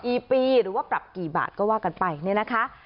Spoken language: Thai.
กี่ปีหรือว่าปรับกี่บาทก็ว่ากันไปเนี่ยนะคะ